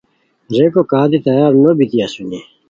ریکو کادی تیار نو بیتی اسونی